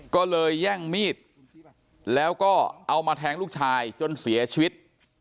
ก็เลยแย่งมีดแล้วก็เอามาแทงลูกชายจนเสียชีวิต